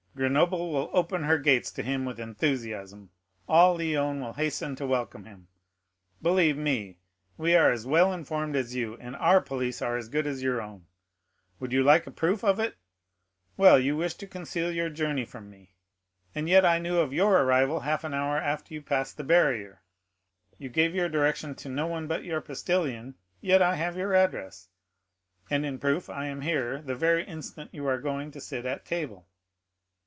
"Grenoble will open her gates to him with enthusiasm—all Lyons will hasten to welcome him. Believe me, we are as well informed as you, and our police are as good as your own. Would you like a proof of it? well, you wished to conceal your journey from me, and yet I knew of your arrival half an hour after you had passed the barrier. You gave your direction to no one but your postilion, yet I have your address, and in proof I am here the very instant you are going to sit at table.